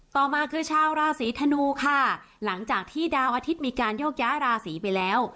ต่อมาคือชาวราศีธนูค่ะหลังจากที่ดาวอาทิตย์มีการโยกย้ายราศีไปแล้ว